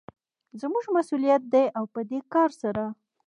زموږ مسوليت دى او په دې کار سره